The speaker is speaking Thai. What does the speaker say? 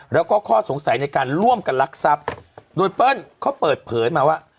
แล้วก็ข้อสงสัยในการร่วมกันลักทรัพย์โดยเปิ้ลเขาเปิดเผยมาว่า